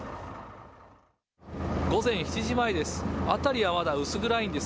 午前７時前です。